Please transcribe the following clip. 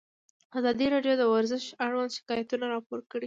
ازادي راډیو د ورزش اړوند شکایتونه راپور کړي.